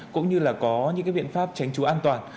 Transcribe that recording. cũng như là có những cái biện pháp tránh chú an toàn